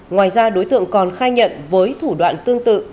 ngoài ra đối tượng còn khai nhận với thủ đoạn tương tự